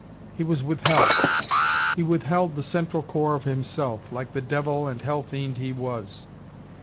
He was withheld. He withheld the central core of himself, like the devil and hell fiend he was.